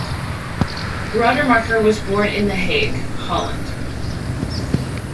Radermacher was born in The Hague, Holland.